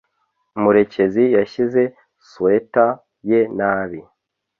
Murekezi yashyize swater ye nabi.